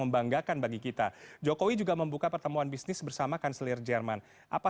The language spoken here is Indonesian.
membanggakan bagi kita jokowi juga membuka pertemuan bisnis bersama kanselir jerman apa